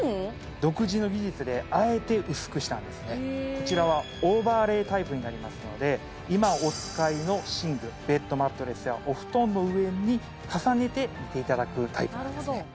独自の技術であえて薄くしたんですこちらはオーバーレイタイプになりますので今お使いの寝具ベッドマットレスやお布団の上に重ねて寝ていただくタイプなんですね